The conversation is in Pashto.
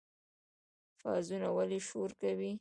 قازونه ولې شور کوي؟